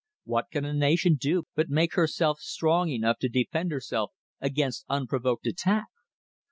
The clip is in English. What can a nation do but make herself strong enough to defend herself against unprovoked attack?